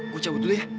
gue cabut dulu ya